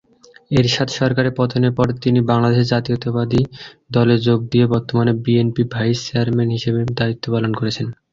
এরশাদ সরকারের পতনের পর তিনি বাংলাদেশ জাতীয়তাবাদী দলে যোগ দিয়ে বর্তমানে বিএনপির ভাইস চেয়ারম্যান হিসেবে দায়িত্ব পালন করছেন।